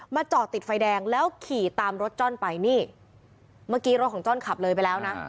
จอดติดไฟแดงแล้วขี่ตามรถจ้อนไปนี่เมื่อกี้รถของจ้อนขับเลยไปแล้วนะ